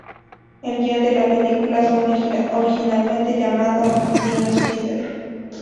El guión de la película fue originalmente llamado "Dino Spider".